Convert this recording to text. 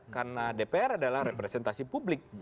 karena dpr adalah representasi publik